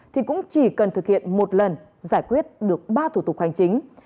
thì cũng chỉ cần thực hiện một lần giải quyết được ba thủ tục hành chính